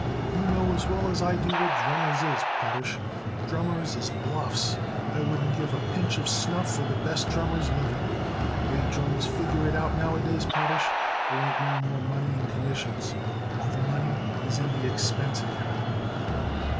"You know as well as I do what drummers is, Potash. Drummers is bluffs. I wouldn't give a pinch of snuff for the best drummers living. The way drummers figure it out nowadays, Potash, there ain't no more money in commissions. All the money is in the expense account."